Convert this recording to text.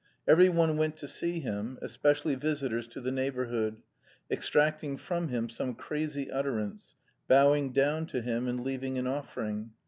Every one went to see him, especially visitors to the neighbourhood, extracting from him some crazy utterance, bowing down to him, and leaving an offering.